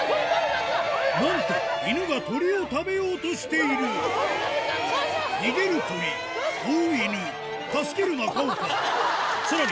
なんと犬が鳥を食べようとしている逃げる鳥追う犬助ける中岡さらに